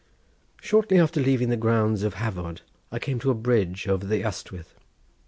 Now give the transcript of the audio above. Shortly after leaving the grounds of Hafod I came to a bridge over the Ystwyth.